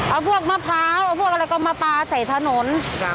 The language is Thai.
เอาพวกมะพร้าวเอาพวกอะไรก็มาปลาใส่ถนน